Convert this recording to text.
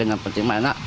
yang penting enak